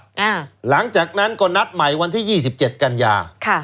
และครั้งจากนั้นก็นัดใหม่วันที่๒๗กันยา